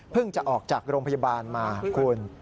จะออกจากโรงพยาบาลมาคุณ